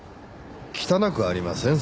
汚くありません？